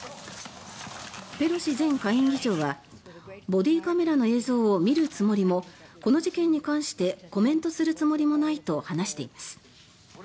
ペロシ前下院議長はボディーカメラの映像を見るつもりもこの事件に関してコメントするつもりもないと話しています。